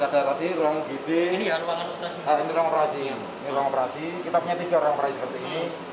ada tadi ruang gd ini ruangan operasi ini ruang operasi kita punya tiga orang perang seperti ini